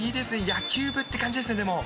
野球部っていう感じですね、でも。